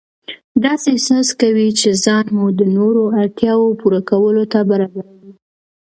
داسې احساس کوئ چې ځان مو د نورو اړتیاوو پوره کولو ته برابروئ.